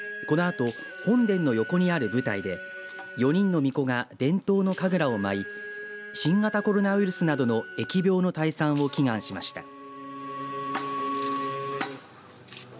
このあと本殿の横にある舞台で４人のみこが伝統の神楽を舞い新型コロナウイルスなどの疫病の退散を祈願しました。